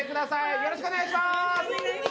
よろしくお願いします。